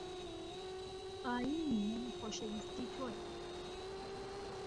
ئایینی من خۆشەویستی تۆیە